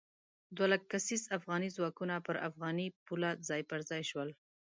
دوه لک کسیز افغاني ځواکونه پر افغاني پوله ځای پر ځای شول.